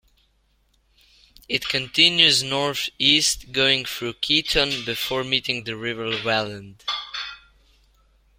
It continues north-east, going through Ketton, before meeting the River Welland.